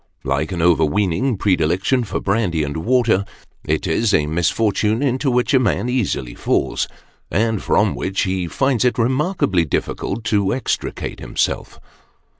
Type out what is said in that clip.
Like an over weening predilection for brandy and water, it is a misfortune into which a man easily falls, and from which he finds it remarkably difficult to extricate himself.